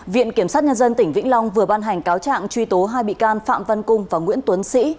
viện kiểm sát nhân dân tỉnh vĩnh long vừa ban hành cáo trạng truy tố hai bị can phạm văn cung và nguyễn tuấn sĩ